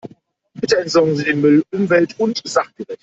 Bitte entsorgen Sie den Müll umwelt- und sachgerecht.